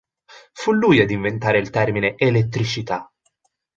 Fu lui ad inventare il termine "elettricità".